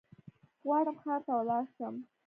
غواړم ښار ته ولاړشم